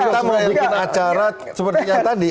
kita mau bikin acara seperti yang tadi